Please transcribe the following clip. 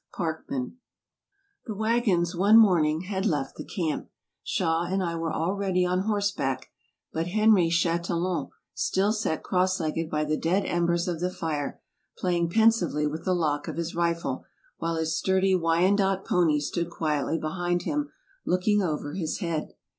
PARKMAN THE wagons one morning had left the camp; Shaw and I were already on horseback, but Henry Chatillon still sat cross legged by the dead embers of the fire, playing pensively with the lock of his rifle, while his sturdy Wyan dotte pony stood quietly behind him, looking over his head.